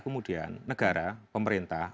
kemudian negara pemerintah